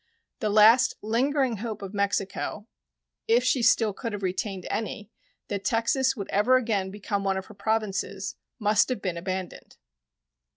The last lingering hope of Mexico, if she still could have retained any, that Texas would ever again become one of her Provinces, must have been abandoned.